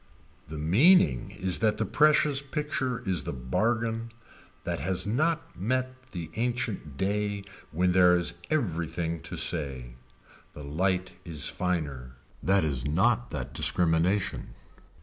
The meaning is that the precious picture is the bargain that has not met the ancient day when there is everything to say. The light is finer. That is not that discrimination.